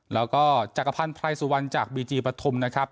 แล้วก็จักรพันธ์ไพรสุวรรณจากบีจีปฐุมนะครับ